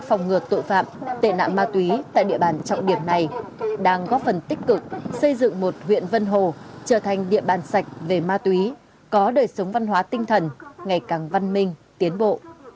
phòng ngừa tội phạm tệ nạn ma túy tại địa bàn trọng điểm này đang góp phần tích cực xây dựng một huyện vân hồ trở thành địa bàn sạch về ma túy có đời sống văn hóa tinh thần ngày càng văn minh tiến bộ